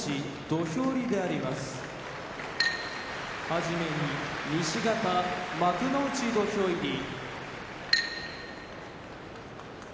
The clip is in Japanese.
はじめに西方幕内土俵入り。